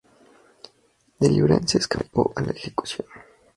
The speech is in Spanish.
Deliverance escapó a la ejecución.